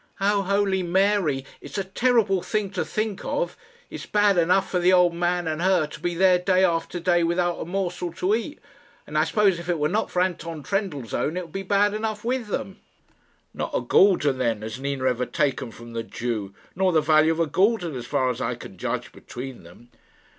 Oh, holy Mary, it's a terrible thing to think of! It's bad enough for the old man and her to be there day after day without a morsel to eat; and I suppose if it were not for Anton Trendellsohn it would be bad enough with them " "Not a gulden, then, has Nina ever taken from the Jew nor the value of a gulden, as far as I can judge between them."